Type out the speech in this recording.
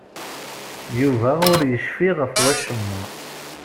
Yuba ur yecfi ɣef wacemma.